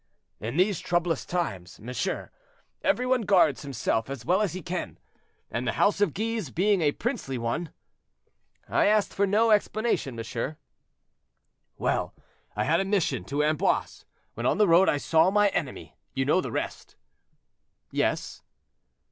"In these troublous times, monsieur, every one guards himself as well as he can, and the house of Guise being a princely one—" "I asked for no explanation, monsieur." "Well, I had a mission to Amboise; when on the road I saw my enemy; you know the rest."—"Yes."